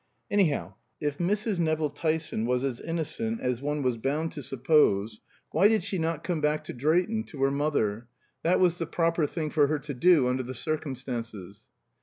Anyhow, if Mrs. Nevill Tyson was as innocent as one was bound to suppose, why did she not come back to Drayton, to her mother? That was the proper thing for her to do under the circumstances.